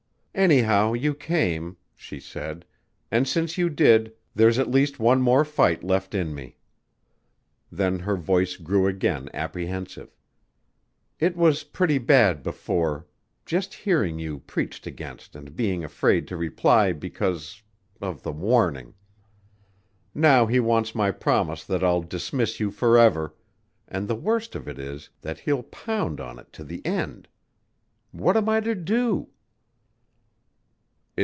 "Anyhow you came " she said, "and since you did there's at least one more fight left in me." Then her voice grew again apprehensive. "It was pretty bad before ... just hearing you preached against and being afraid to reply because ... of the warning. Now he wants my promise that I'll dismiss you forever ... and the worst of it is that he'll pound on it to the end. What am I to do?"